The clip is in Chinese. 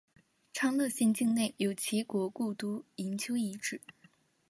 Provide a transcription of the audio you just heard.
昌乐县境内有齐国故都营丘遗址。